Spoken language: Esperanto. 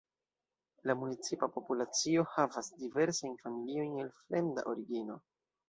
La municipa populacio havas diversajn familiojn el fremda origino.